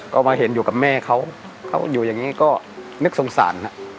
ก็มาเห็นอยู่กับแม่เขาเขาอยู่อย่างนี้ก็นึกสงสารครับ